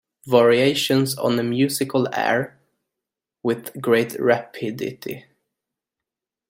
Variations on a musical air With great rapidity.